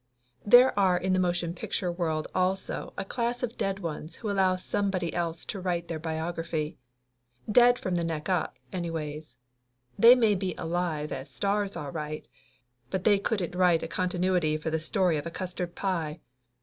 There are in the motion picture world also a class of dead ones who allow somebody else to write their biog raphy. Dead from the neck up, anyways. They may be alive as stars all right, but they couldn't write a continuity for the story of a custard pie.